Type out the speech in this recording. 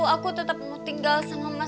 aku tetap mau tinggal sama mas